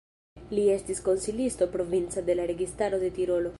Li estis konsilisto provinca de la registaro de Tirolo.